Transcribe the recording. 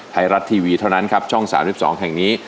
ไทยรัฐทีวีเท่านั้นครับช่อง๓๒แห่งนี้